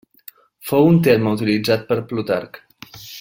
Fou un terme utilitzat per Plutarc.